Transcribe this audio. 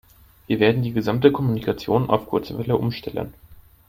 Wir werden die gesamte Kommunikation auf Kurzwelle umstellen.